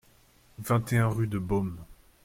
vingt et un rue de Beaume